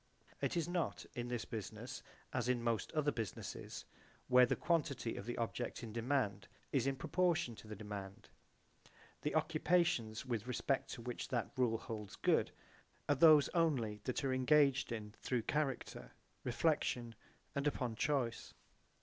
It is not in this business as in most other businesses, where the quantity of the object in demand is in proportion to the demand. The occupations with respect to which that rule holds good are those only which are engaged in through character, reflection, and upon choice.